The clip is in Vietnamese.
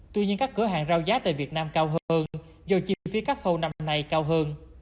tuy nhiên các cửa hàng rau giá tại việt nam cao hơn do chi phí cắt khâu năm nay cao hơn